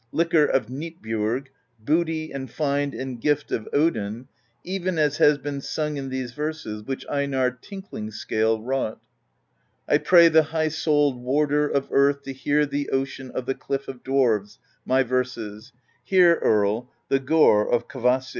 Liquor of Hnit bjorg, Booty and Find and Gift of Odin, even as has been sung in these verses which Einarr Tinkling Scale wrought: I pray the high souled Warder Of earth to hear the Ocean Of the ClifF of Dwarves, my verses: Hear, Earl, the Gore of Kvasir.